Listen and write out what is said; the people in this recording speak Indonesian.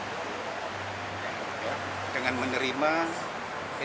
ketika dia menerima anggota satlan tas